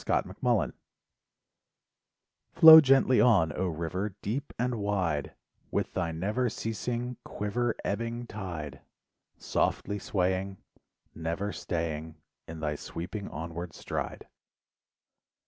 THE RIVER Flow gently on, 0 river, deep and wide, With thy never ceasing quiver, ebbing tide. Softly swaying, Never staying In thy sweeping onward stride.